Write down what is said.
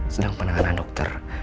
sedang penanganan dokter